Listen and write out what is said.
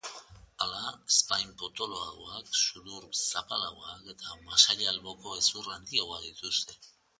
Hala, ezpain potoloagoak, sudur zapalagoak eta masail-alboko hezur handiagoa dituzte.